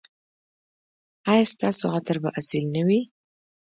ایا ستاسو عطر به اصیل نه وي؟